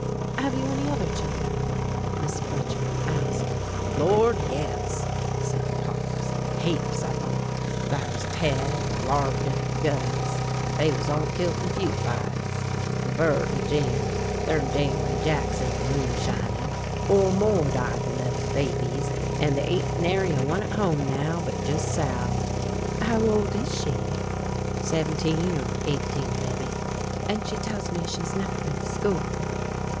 "Have you any other children?" Miss Fletcher asked. "Lord, yes," said Pop, "heaps of 'em. Thar's Ted an' Larkin, an' Gus, they wuz all kilt in feud fights. An' Burt an' Jim, they're in jail in Jackson fer moonshinin'. Four more died when they wuz babies. An' they ain't nary a one at home now but jes' Sal." "How old is she?" "Seventeen or eighteen, mebbe." "And she tells me she has never been to school."